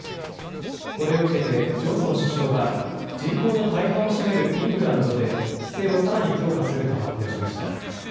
これを受けてジョンソン首相は人口の大半を占めるイングランドで規制をさらに強化すると発表しました。